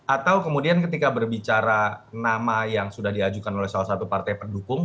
atau kemudian ketika berbicara nama yang sudah diajukan oleh salah satu partai pendukung